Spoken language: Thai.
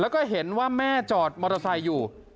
แล้วก็เห็นว่าแม่จอดมอเตอร์ไซค์อยู่